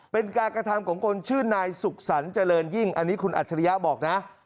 เป็นการกระทำของคนชื่อนายสุขสรรคเจริญยิ่งอันนี้คุณอัจฉริยะบอกนะ